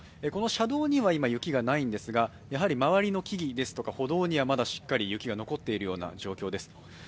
この車道には今、雪がないんですがやはり周りの木々、歩道にはまだしっかり雪が残っているような状況です。